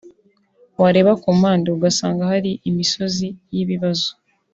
wareba ku mpande ugasanga hari imisozi y'ibibazo